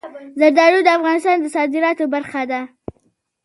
زردالو د افغانستان د صادراتو برخه ده.